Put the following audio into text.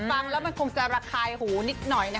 ฟังแล้วมันคงจะระคายหูนิดหน่อยนะคะ